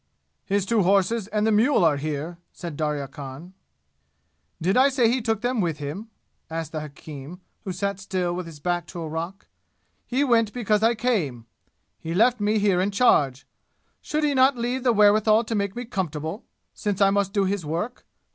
"His two horses and the mule are here," said Darya Khan. "Did I say he took them with him?" asked the hakim, who sat still with his back to a rock. "He went because I came! He left me here in charge! Should he not leave the wherewithal to make me comfortable, since I must do his work?